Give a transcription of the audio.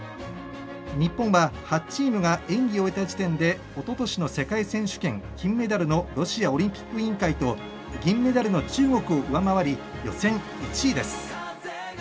日本は８チームが演技を終えた時点でおととしの世界選手権金メダルのロシアオリンピック委員会と銀メダルの中国を上回り予選１位です。